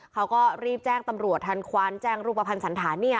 เขาก็รีบแจ้งตำรวจทันควันแจ้งรูปภัณฑ์สันธารเนี่ย